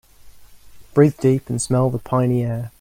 Breathe deep and smell the piny air.